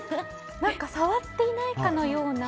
触っていないかのような。